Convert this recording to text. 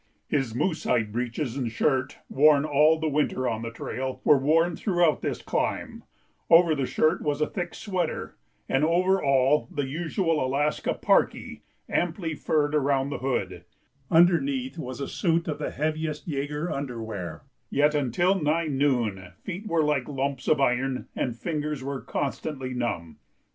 His moose hide breeches and shirt, worn all the winter on the trail, were worn throughout this climb; over the shirt was a thick sweater and over all the usual Alaskan "parkee" amply furred around the hood; underneath was a suit of the heaviest Jaeger underwear yet until nigh noon feet were like lumps of iron and fingers were constantly numb.